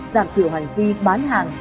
giảm thiểu hành vi bán hàng